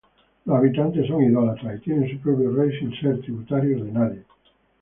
Los habitantes son idólatras y tienen su propio rey, sin ser tributarios de nadie.